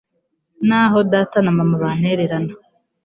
N’aho data na mama bantererana